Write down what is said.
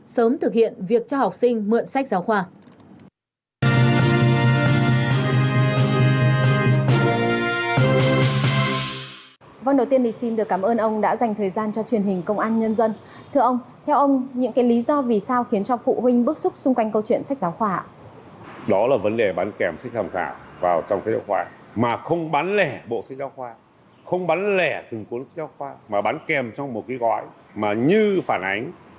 sớm thực hiện việc cho học sinh mượn sách giáo khoa